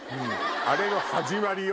あれの始まりよ。